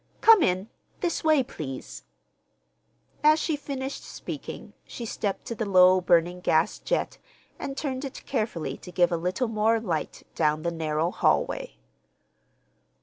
Come in; this way, please." As she finished speaking she stepped to the low burning gas jet and turned it carefully to give a little more light down the narrow hallway.